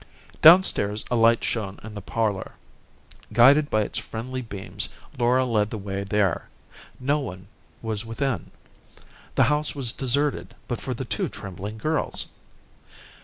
Down stairs a light shone in the parlor. Guided by its friendly beams, Laura led the way there. No one was within. The house was deserted but for the two trembling girls.